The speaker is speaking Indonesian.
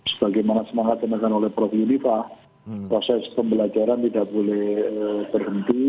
sebagaimana semangat yang dilakukan oleh prof yunifah proses pembelajaran tidak boleh berhenti